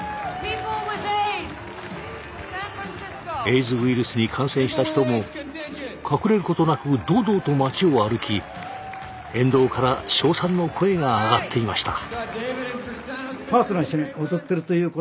エイズウイルスに感染した人も隠れることなく堂々と街を歩き沿道から称賛の声が上がっていました。